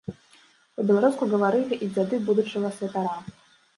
Па-беларуску гаварылі і дзяды будучага святара.